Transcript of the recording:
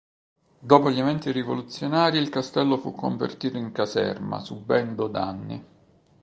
Dopo gli eventi rivoluzionari il castello fu convertito in caserma subendo danni.